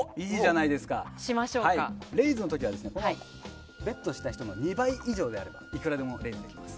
レイズはベットした人の２倍以上ならいくらでもレイズできます。